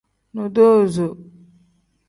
Nodoozo.